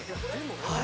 はい。